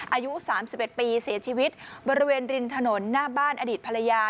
อายุ๓๑ปีเสียชีวิตบริเวณริมถนนหน้าบ้านอดีตภรรยา